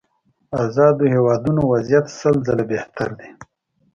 ازادو هېوادونو وضعيت سل ځله بهتره دي.